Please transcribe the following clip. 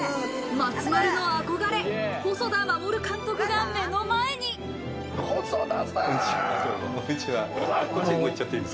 松丸の憧れ、細田守監督が目細田さん！